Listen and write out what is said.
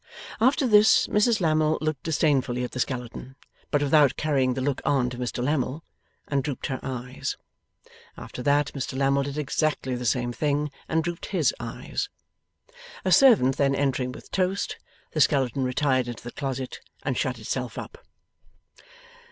After this, Mrs Lammle looked disdainfully at the skeleton but without carrying the look on to Mr Lammle and drooped her eyes. After that, Mr Lammle did exactly the same thing, and drooped HIS eyes. A servant then entering with toast, the skeleton retired into the closet, and shut itself up.